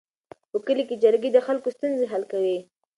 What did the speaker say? په کلي کې جرګې د خلکو ستونزې حل کوي.